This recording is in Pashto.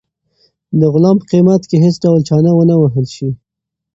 د غلام په قیمت کې هیڅ ډول چنه ونه وهل شوه.